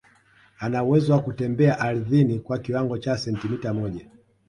anauwezo wa kutembea ardhini kwa kiwango cha sentimita moja